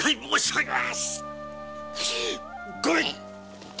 ごめん！